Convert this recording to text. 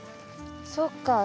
そっか。